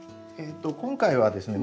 今回はですね